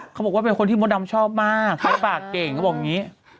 เขาบอกว่าเป็นคนที่มดดำชอบมากใช้ปากเก่งเขาบอกอย่างนี้